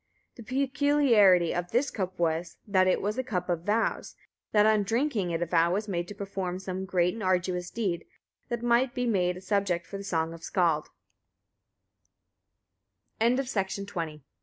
The peculiarity of this cup was, that it was a cup of vows, that on drinking it a vow was made to perform some great and arduous deed, that might be made a subject for the song of the skal